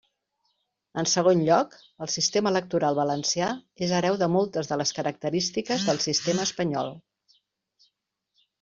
En segon lloc, el sistema electoral valencià és hereu de moltes de les característiques del sistema espanyol.